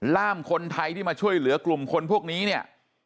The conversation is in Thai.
ล่ามคนไทยที่มาช่วยเหลือกลุ่มคนพวกนี้เนี่ย